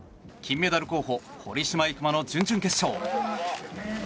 金メダル候補堀島行真の準々決勝。